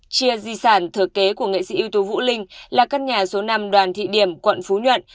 chia di sản thừa kế của nghệ sĩ ưu tú vũ linh là căn nhà số năm đoàn thị điểm quận phú nhuận